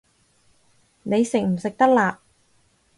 你食唔食得辣